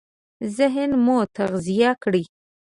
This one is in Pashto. ذهن مو تغذيه کړئ!